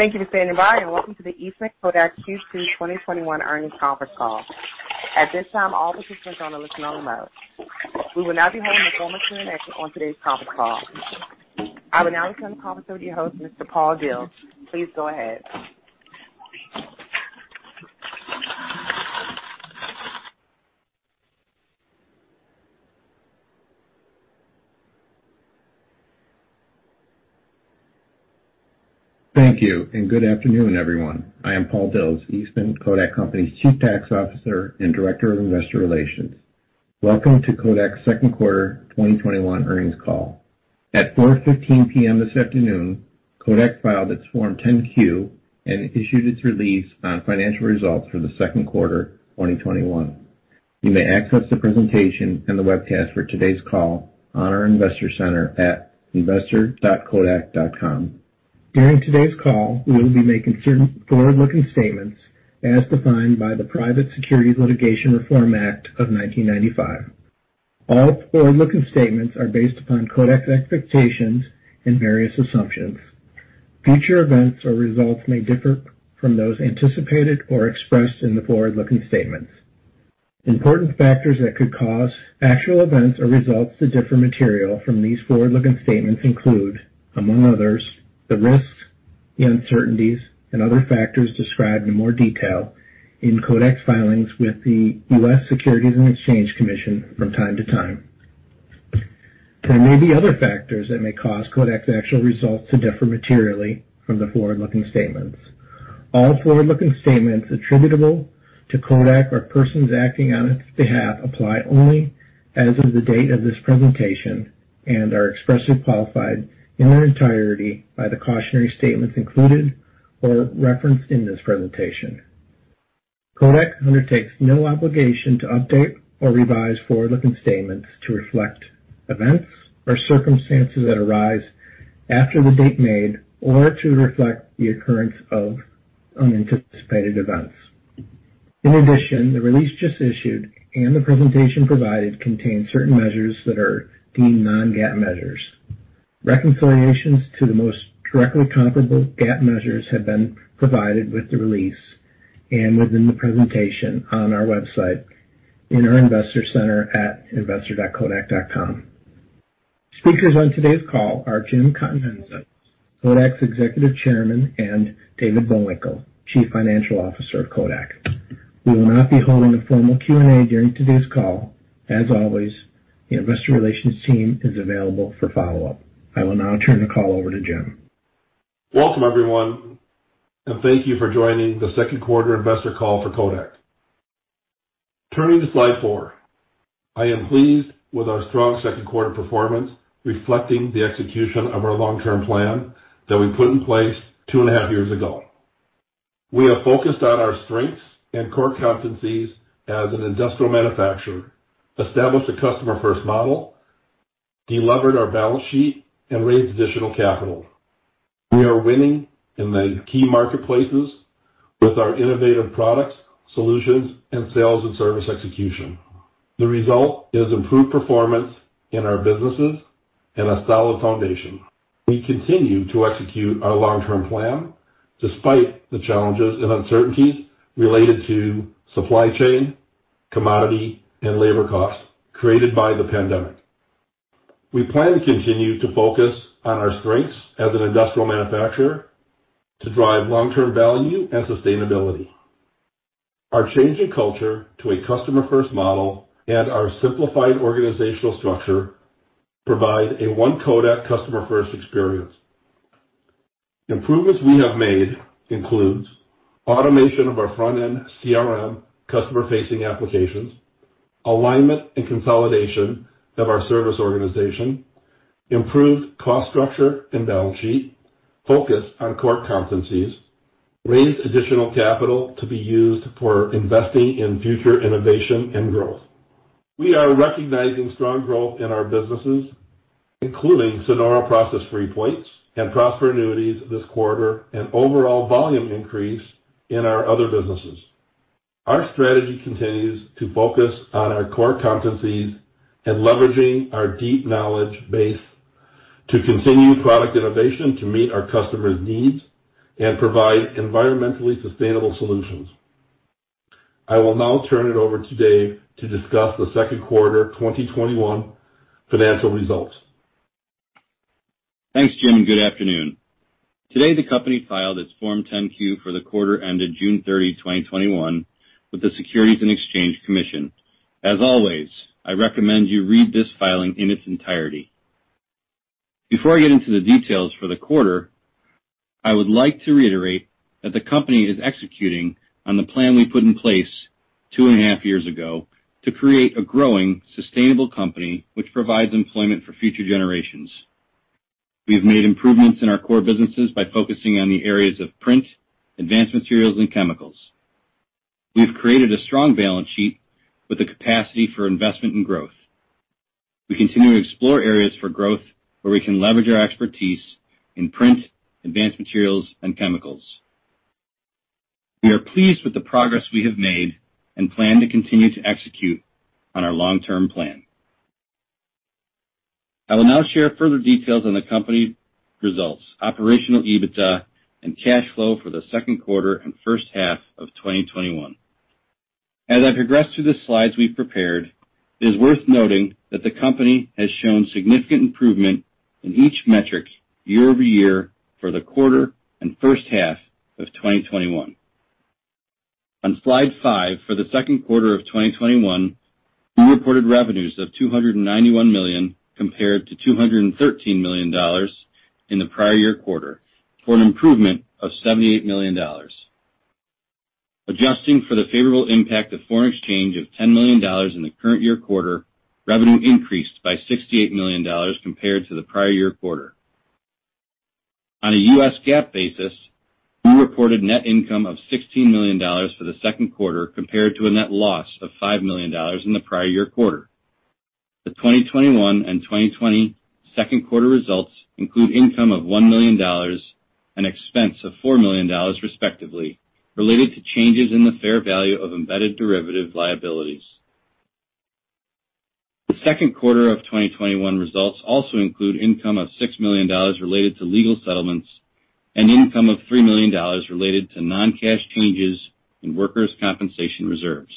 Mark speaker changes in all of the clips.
Speaker 1: Thank you for standing by, welcome to the Eastman Kodak Q2 2021 Earnings Conference Call. At this time, all participants are on a listen-only mode. We will not be holding a formal Q&A session on today's conference call. I will now turn the conference over to your host, Mr. Paul Dils. Please go ahead.
Speaker 2: Thank you, and good afternoon, everyone. I am Paul Dils, Eastman Kodak Company's Chief Tax Officer and Director of Investor Relations. Welcome to Kodak's Second Quarter 2021 Earnings Call. At 4:00 P.M. this afternoon, Kodak filed its Form 10-Q and issued its release on financial results for the second quarter of 2021. You may access the presentation and the webcast for today's call on our investor center at investor.kodak.com. During today's call, we will be making certain forward-looking statements as defined by the Private Securities Litigation Reform Act of 1995. All forward-looking statements are based upon Kodak's expectations and various assumptions. Future events or results may differ from those anticipated or expressed in the forward-looking statements. Important factors that could cause actual events or results to differ material from these forward-looking statements include, among others, the risks, the uncertainties, and other factors described in more detail in Kodak's filings with the U.S. Securities and Exchange Commission from time to time. There may be other factors that may cause Kodak's actual results to differ materially from the forward-looking statements. All forward-looking statements attributable to Kodak or persons acting on its behalf apply only as of the date of this presentation and are expressly qualified in their entirety by the cautionary statements included or referenced in this presentation. Kodak undertakes no obligation to update or revise forward-looking statements to reflect events or circumstances that arise after the date made or to reflect the occurrence of unanticipated events. The release just issued and the presentation provided contain certain measures that are deemed non-GAAP measures. Reconciliations to the most directly comparable GAAP measures have been provided with the release and within the presentation on our website in our investor center at investor.kodak.com. Speakers on today's call are Jim Continenza, Kodak's Executive Chairman, and David Bullwinkle, Chief Financial Officer of Kodak. We will not be holding a formal Q&A during today's call. As always, the investor relations team is available for follow-up. I will now turn the call over to Jim.
Speaker 3: Welcome, everyone, thank you for joining the second quarter investor call for Kodak. Turning to slide four. I am pleased with our strong second quarter performance, reflecting the execution of our long-term plan that we put in place 2.5 years ago. We are focused on our strengths and core competencies as an industrial manufacturer, established a customer-first model, delevered our balance sheet, and raised additional capital. We are winning in many key marketplaces with our innovative products, solutions, and sales and service execution. The result is improved performance in our businesses and a solid foundation. We continue to execute our long-term plan despite the challenges and uncertainties related to supply chain, commodity, and labor costs created by the pandemic. We plan to continue to focus on our strengths as an industrial manufacturer to drive long-term value and sustainability. Our change in culture to a customer-first model and our simplified organizational structure provide a One Kodak customer-first experience. Improvements we have made includes automation of our front-end CRM customer-facing applications, alignment and consolidation of our service organization, improved cost structure and balance sheet, focus on core competencies, raised additional capital to be used for investing in future innovation and growth. We are recognizing strong growth in our businesses, including SONORA Process Free Plates and PROSPER annuities this quarter, and overall volume increase in our other businesses. Our strategy continues to focus on our core competencies and leveraging our deep knowledge base to continue product innovation to meet our customers' needs and provide environmentally sustainable solutions. I will now turn it over to David Bullwinkle to discuss the second quarter 2021 financial results.
Speaker 4: Thanks, Jim, and good afternoon. Today, the company filed its Form 10-Q for the quarter ended June thirtieth, 2021, with the Securities and Exchange Commission. As always, I recommend you read this filing in its entirety. Before I get into the details for the quarter, I would like to reiterate that the company is executing on the plan we put in place two and a half years ago to create a growing, sustainable company which provides employment for future generations. We've made improvements in our core businesses by focusing on the areas of print, advanced materials, and chemicals. We've created a strong balance sheet with the capacity for investment and growth. We continue to explore areas for growth where we can leverage our expertise in print, advanced materials, and chemicals. We are pleased with the progress we have made and plan to continue to execute on our long-term plan. I will now share further details on the company results, operational EBITDA, and cash flow for the second quarter and first half of 2021. As I progress through the slides we've prepared, it is worth noting that the company has shown significant improvement in each metric year-over-year for the quarter and first half of 2021. On slide five, for the second quarter of 2021, we reported revenues of $291 million compared to $213 million in the prior year quarter, for an improvement of $78 million. Adjusting for the favorable impact of foreign exchange of $10 million in the current year quarter, revenue increased by $68 million compared to the prior year quarter. On a U.S. GAAP basis, we reported net income of $16 million for the second quarter, compared to a net loss of $5 million in the prior year quarter. The 2021 and 2020 second quarter results include income of $1 million and expense of $4 million respectively, related to changes in the fair value of embedded derivative liabilities. The second quarter of 2021 results also include income of $6 million related to legal settlements and income of $3 million related to non-cash changes in workers' compensation reserves.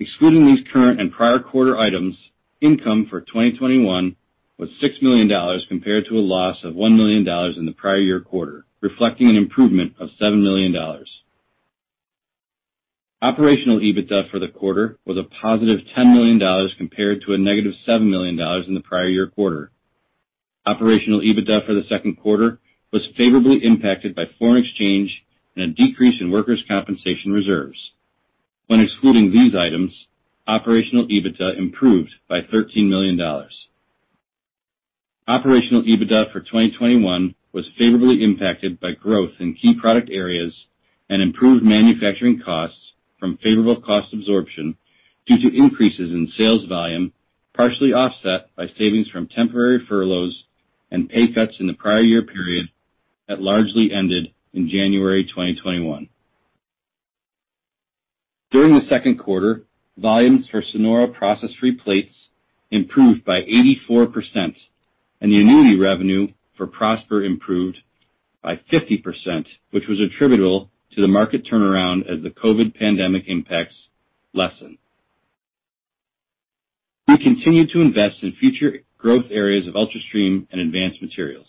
Speaker 4: Excluding these current and prior quarter items, income for 2021 was $6 million compared to a loss of $1 million in the prior year quarter, reflecting an improvement of $7 million. Operational EBITDA for the quarter was a positive $10 million compared to a negative $7 million in the prior year quarter. Operational EBITDA for the second quarter was favorably impacted by foreign exchange and a decrease in workers' compensation reserves. When excluding these items, operational EBITDA improved by $13 million. Operational EBITDA for 2021 was favorably impacted by growth in key product areas and improved manufacturing costs from favorable cost absorption due to increases in sales volume, partially offset by savings from temporary furloughs and pay cuts in the prior year period that largely ended in January 2021. During the second quarter, volumes for SONORA Process Free Plates improved by 84%, and the annuity revenue for PROSPER improved by 50%, which was attributable to the market turnaround as the COVID pandemic impacts lessened. We continue to invest in future growth areas of ULTRASTREAM and advanced materials.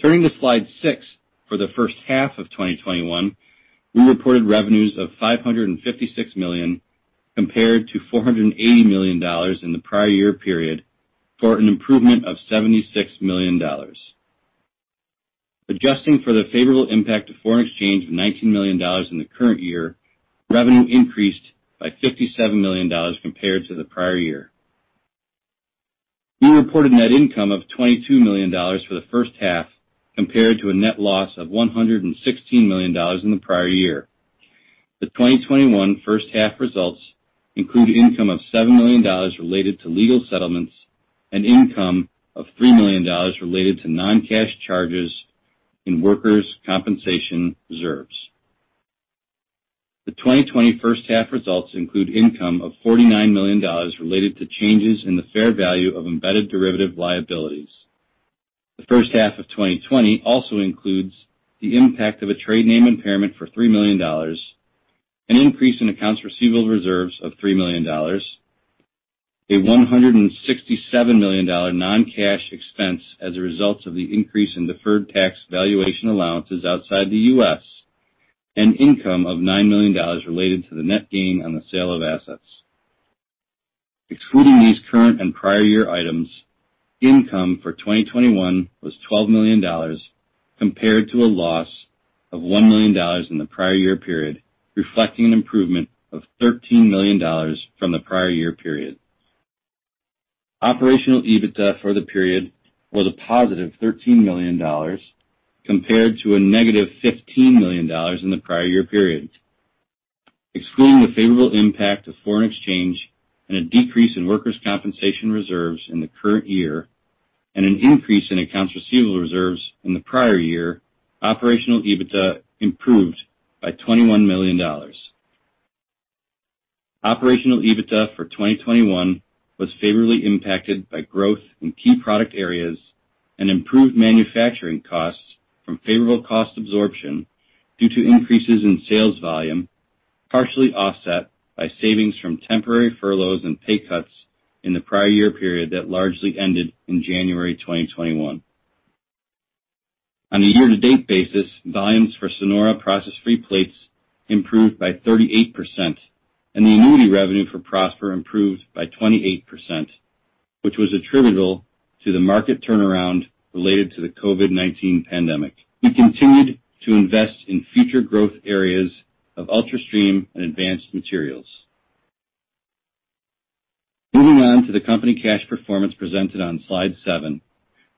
Speaker 4: Turning to slide six, for the first half of 2021, we reported revenues of $556 million compared to $480 million in the prior year period, for an improvement of $76 million. Adjusting for the favorable impact of foreign exchange of $19 million in the current year, revenue increased by $57 million compared to the prior year. We reported net income of $22 million for the first half, compared to a net loss of $116 million in the prior year. The 2021 first half results include income of $7 million related to legal settlements and income of $3 million related to non-cash charges in workers' compensation reserves. The 2020 first half results include income of $49 million related to changes in the fair value of embedded derivative liabilities. The first half of 2020 also includes the impact of a trade name impairment for $3 million, an increase in accounts receivable reserves of $3 million, a $167 million non-cash expense as a result of the increase in deferred tax valuation allowances outside the U.S., and income of $9 million related to the net gain on the sale of assets. Excluding these current and prior year items, income for 2021 was $12 million, compared to a loss of $1 million in the prior year period, reflecting an improvement of $13 million from the prior year period. Operational EBITDA for the period was a positive $13 million, compared to a negative $15 million in the prior year period. Excluding the favorable impact of foreign exchange and a decrease in workers' compensation reserves in the current year, and an increase in accounts receivable reserves in the prior year, operational EBITDA improved by $21 million. Operational EBITDA for 2021 was favorably impacted by growth in key product areas and improved manufacturing costs from favorable cost absorption due to increases in sales volume, partially offset by savings from temporary furloughs and pay cuts in the prior year period that largely ended in January 2021. On a year-to-date basis, volumes for SONORA Process Free Plates improved by 38%, and the annuity revenue for PROSPER improved by 28%, which was attributable to the market turnaround related to the COVID-19 pandemic. We continued to invest in future growth areas of ULTRASTREAM and advanced materials. Moving on to the company cash performance presented on slide seven.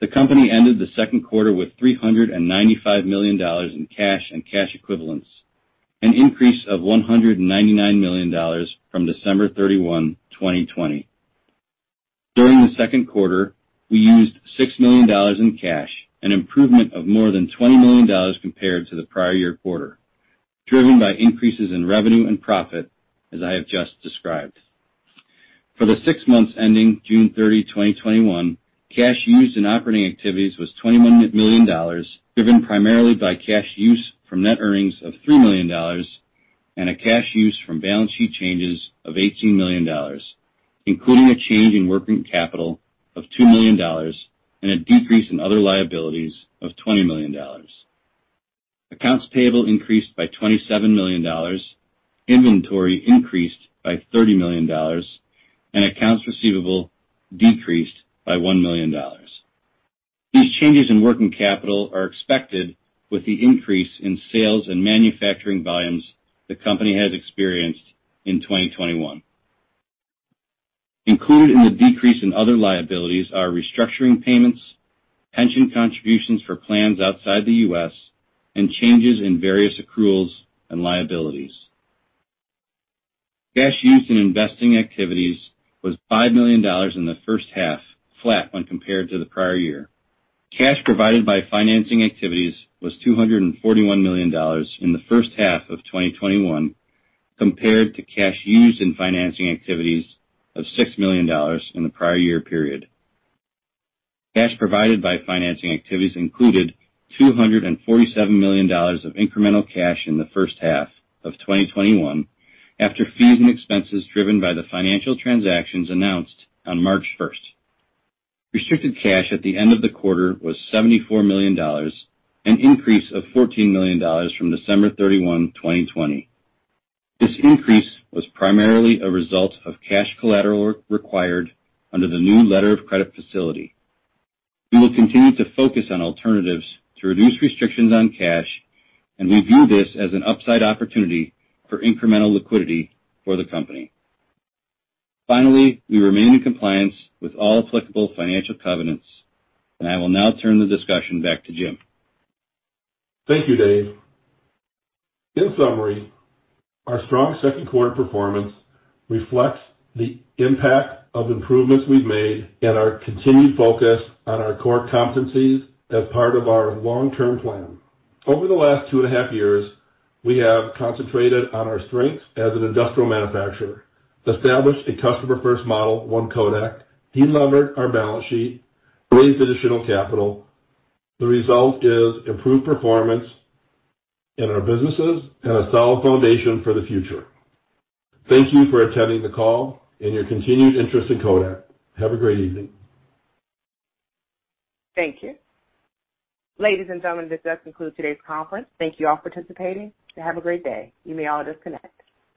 Speaker 4: The company ended the second quarter with $395 million in cash and cash equivalents, an increase of $199 million from December 31, 2020. During the second quarter, we used $6 million in cash, an improvement of more than $20 million compared to the prior year quarter. Driven by increases in revenue and profit as I have just described. For the six months ending June 30, 2021, cash used in operating activities was $21 million, driven primarily by cash use from net earnings of $3 million and a cash use from balance sheet changes of $18 million, including a change in working capital of $2 million and a decrease in other liabilities of $20 million. Accounts payable increased by $27 million, inventory increased by $30 million, and accounts receivable decreased by $1 million. These changes in working capital are expected with the increase in sales and manufacturing volumes the company has experienced in 2021. Included in the decrease in other liabilities are restructuring payments, pension contributions for plans outside the U.S., and changes in various accruals and liabilities. Cash used in investing activities was $5 million in the first half, flat when compared to the prior year. Cash provided by financing activities was $241 million in the first half of 2021 compared to cash used in financing activities of $6 million in the prior year period. Cash provided by financing activities included $247 million of incremental cash in the first half of 2021 after fees and expenses driven by the financial transactions announced on March 1st. Restricted cash at the end of the quarter was $74 million, an increase of $14 million from December 31, 2020. This increase was primarily a result of cash collateral required under the new letter of credit facility. We will continue to focus on alternatives to reduce restrictions on cash, and we view this as an upside opportunity for incremental liquidity for the company. Finally, we remain in compliance with all applicable financial covenants, and I will now turn the discussion back to Jim.
Speaker 3: Thank you, Dave. In summary, our strong second quarter performance reflects the impact of improvements we've made and our continued focus on our core competencies as part of our long-term plan. Over the last two and a half years, we have concentrated on our strengths as an industrial manufacturer, established a customer-first model, One Kodak, de-levered our balance sheet, raised additional capital. The result is improved performance in our businesses and a solid foundation for the future. Thank you for attending the call and your continued interest in Kodak. Have a great evening.
Speaker 1: Thank you. Ladies and gentlemen, this does conclude today's conference. Thank you all for participating and have a great day. You may all disconnect.